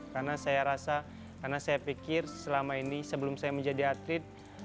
karena saya pikir selama ini sebelum saya menjadi atlet